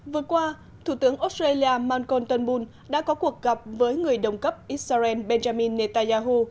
vừa qua thủ tướng australia malcolm turnbull đã có cuộc gặp với người đồng cấp israel benjamin netanyahu